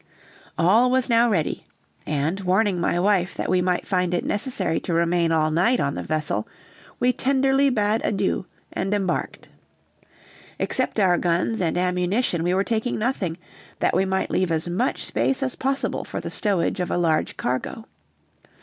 All was now ready, and warning my wife that we might find it necessary to remain all night on the vessel, we tenderly bade adieu and embarked. Except our guns and ammunition, we were taking nothing, that we might leave as much space as possible for the stowage of a large cargo.